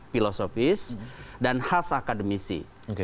filosofis dan khas akademisi